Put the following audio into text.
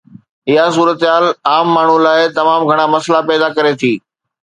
اها صورتحال عام ماڻهوءَ لاءِ تمام گهڻا مسئلا پيدا ڪري ٿي